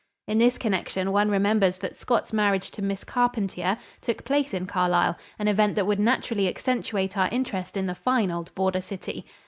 In this connection one remembers that Scott's marriage to Miss Carpentier took place in Carlisle, an event that would naturally accentuate our interest in the fine old border city.